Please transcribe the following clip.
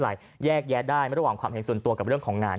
บอกว่าโอเคไม่เป็นไรแยกแยะได้มีระหว่างความเห็นส่วนตัวและเรื่องของงาน